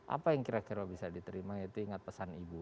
apa yang kira kira bisa diterima yaitu ingat pesan ibu